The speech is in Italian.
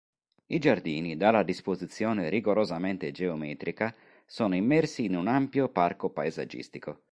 I giardini, dalla disposizione rigorosamente geometrica, sono immersi in un ampio parco paesaggistico.